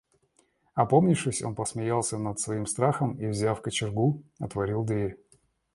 Опомнившись, он посмеялся над своим страхом и, взяв кочергу, отворил дверь.